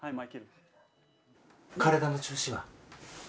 体の調子は？